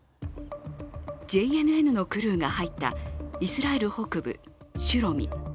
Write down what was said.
ＪＮＮのクルーが入ったイスラエル北部シュロミ。